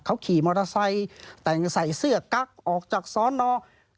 เขาขี่มอเตอร์ไซค์แต่งใส่เสื้อกั๊กออกจากซ้อนน